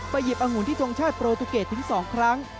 หยิบองุ่นที่ทรงชาติโปรตูเกตถึง๒ครั้ง